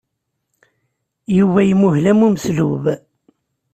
Yuba imuhel am umeslub.